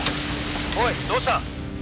おいどうした？